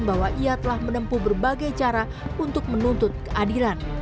bahwa ia telah menempuh berbagai cara untuk menuntut keadilan